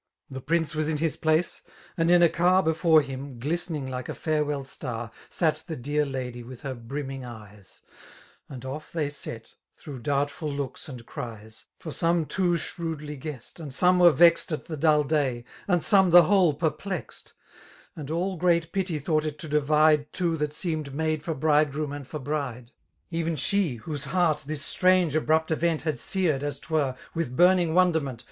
31 The prince ^fts in Iris plaoe; aad in a cat, Be&re him^ ^iatening like a farewell 8tiir> Sate the dear lady with her brimming eye$ 3 And off they set^ through doublAil loojks and cries; For some too shrewdly guessed^ and e(ome were vexed At the dun day^ and some &e whdie perplexed; And all great pity thought it to divide Two that seemed made for bridegroom and for bride. £y'n she^ whose heart this strange^ abrupt rrent Had seared^ as 'twere^ with burning wonderment.